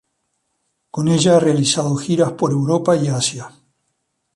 Con ella ha realizado giras por Europa y Asia.